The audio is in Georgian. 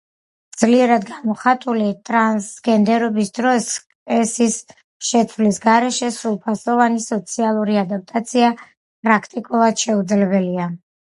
ძლიერად გამოხატული ტრანსგენდერობის დროს, სქესის შეცვლის გარეშე, სრულფასოვანი სოციალური ადაპტაცია პრაქტიკულად შეუძლებელია.